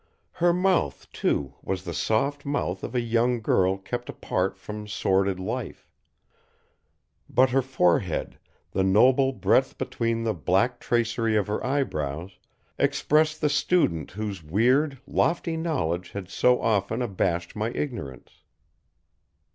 Her mouth, too, was the soft mouth of a young girl kept apart from sordid life. But her forehead, the noble breadth between the black tracery of her eyebrows, expressed the student whose weird, lofty knowledge had so often abashed my ignorance.